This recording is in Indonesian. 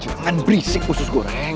jangan berisik usus goreng